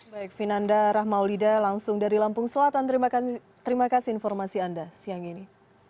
baik vinanda rahmaulida langsung dari lampung selatan terima kasih informasi anda siang ini